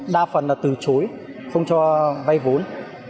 đa phần là từ chối không cho vay vốn